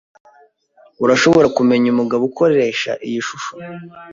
Urashobora kumenya umugabo ukoresha iyi shusho?